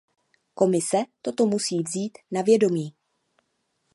Komise toto musí vzít na vědomí.